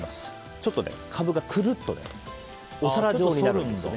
ちょっとカブがくるっとお皿状になるんです。